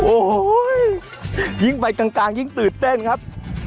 โอ้โหยิ่งไปกลางยิ่งตื่นเต้นครับ